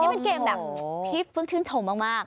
มันเกมแบบที่เพิ่งชื่นชมมาก